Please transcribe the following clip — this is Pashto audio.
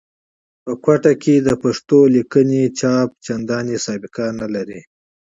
په کوټه کښي د پښتو متونو چاپ چندان سابقه نه لري.